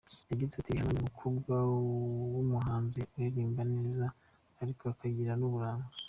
Yagize ati "Rihanna ni umukobwa w’umuhanzi uririmba neza ariko akagira n’uburanga.